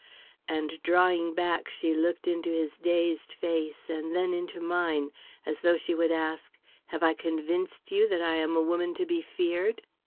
And, drawing back, she looked into his dazed face, and then into mine, as though she would ask: "Have I convinced you that I am a woman to be feared?"